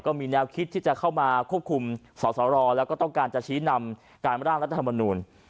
มีแนวคิดที่จะเข้ามาควบคุมสอสรแล้วก็ต้องการจะชี้นำการร่างรัฐธรรมนูล